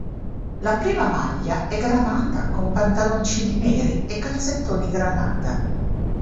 La prima maglia è granata con pantaloncini neri e calzettoni granata.